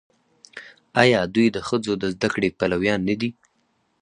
آیا دوی د ښځو د زده کړې پلویان نه دي؟